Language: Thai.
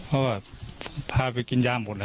เพราะว่าพาไปกินยาหมดแล้ว